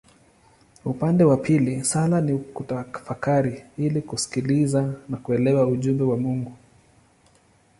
Upande wa pili sala ni kutafakari ili kusikiliza na kuelewa ujumbe wa Mungu.